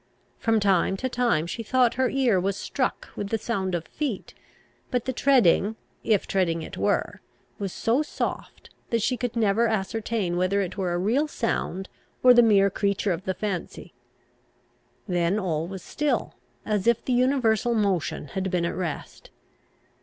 From time to time she thought her ear was struck with the sound of feet; but the treading, if treading it were, was so soft, that she could never ascertain whether it were a real sound, or the mere creature of the fancy. Then all was still, as if the universal motion had been at rest.